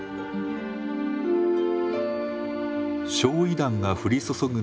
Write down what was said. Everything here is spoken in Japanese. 焼い弾が降り注ぐ